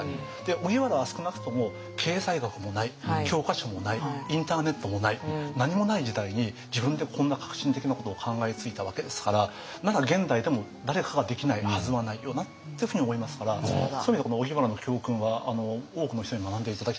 荻原は少なくとも経済学もない教科書もないインターネットもない何もない時代に自分でこんな革新的なことを考えついたわけですからなら現代でも誰かができないはずはないよなっていうふうに思いますからそういう意味ではこの荻原の教訓は多くの人に学んで頂きたいですね。